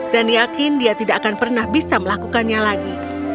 dan yakin dia tidak akan pernah bisa melakukannya lagi